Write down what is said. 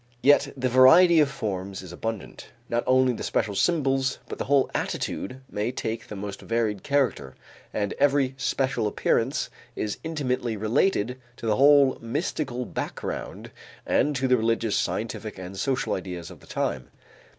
Yet the variety of forms is abundant. Not only the special symbols but the whole attitude may take most varied character, and every special appearance is intimately related to the whole mystical background and to the religious, scientific, and social ideas of the time.